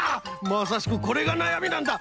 まさしくこれがなやみなんだ！